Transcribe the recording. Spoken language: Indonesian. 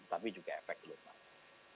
tapi juga efek luar sana